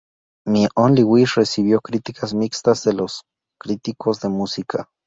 My Only Wish recibió críticas mixtas de los críticos de música.